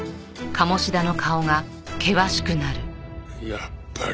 やっぱり。